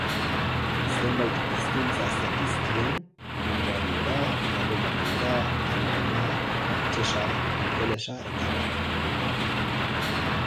Zenbait hizkuntza zekizkien: hungariera, errumaniera, alemana, frantsesa, ingelesa eta abar.